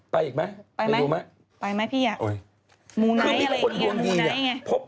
ไปอีกไหมไปดูไหมไปไหมพี่มูไนท์อะไรอย่างนี้มูไนท์ไง